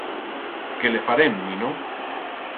Qué le farem, nino?